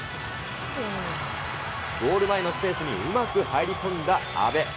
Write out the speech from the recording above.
ゴール前のスペースにうまく入り込んだ安倍。